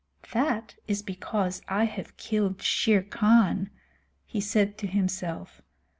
"That is because I have killed Shere Khan," he said to himself.